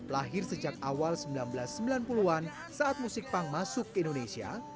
lahir sejak awal seribu sembilan ratus sembilan puluh an saat musik punk masuk ke indonesia